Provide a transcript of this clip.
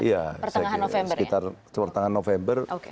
iya sekitar pertengahan november